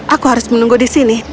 aku harus menunggu di sini